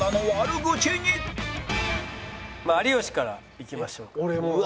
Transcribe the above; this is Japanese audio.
有吉からいきましょうか。